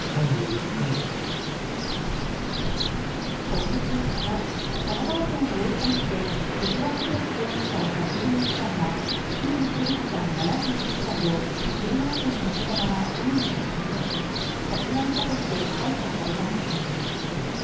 今月２日、神奈川県大磯町で藤原宏容疑者８１歳が妻の照子さん７９歳を車いすに乗せたまま海に突き落とし殺害したとして逮捕された事件。